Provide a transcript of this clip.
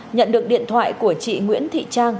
nhận được điện thoại của chị nguyễn thị trang